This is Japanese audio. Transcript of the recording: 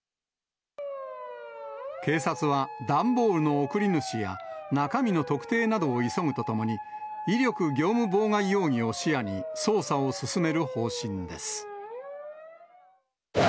警察は、段ボールの送り主や、中身の特定などを急ぐとともに、威力業務妨害容疑を視野に捜査を進める方針です。